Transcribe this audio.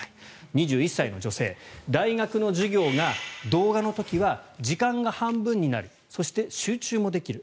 ２１歳の女性大学の授業が動画の時は時間が半分になるそして、集中もできる。